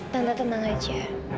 tante tenang aja